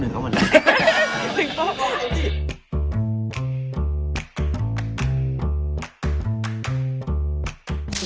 ถึงตก